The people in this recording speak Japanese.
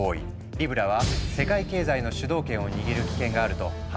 リブラは世界経済の主導権を握る危険があると判断されたんだ。